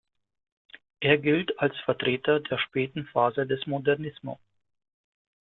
Er gilt als Vertreter der späten Phase des Modernismo.